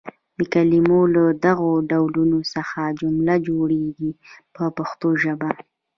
د کلمو له دغو ډولونو څخه جمله جوړیږي په پښتو ژبه.